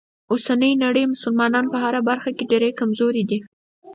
اوسنۍ نړۍ مسلمانان په هره برخه کې ډیره کمزوری دي.